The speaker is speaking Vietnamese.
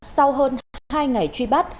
sau hơn hai ngày truy bắt